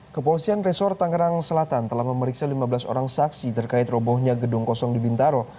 kepolisian resor tangerang selatan telah memeriksa lima belas orang saksi terkait robohnya gedung kosong di bintaro